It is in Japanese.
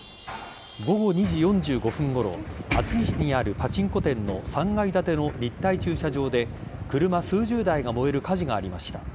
午後２時４５分ごろ厚木市にあるパチンコ店の３階建ての立体駐車場で車数十台が燃える火事がありました。